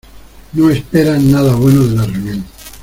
No esperan nada bueno de la reunión.